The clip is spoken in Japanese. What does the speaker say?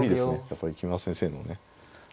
やっぱり木村先生のね